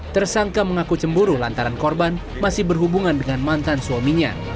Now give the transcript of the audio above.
tersangka mengaku cemburu lantaran korban masih berhubungan dengan mantan suaminya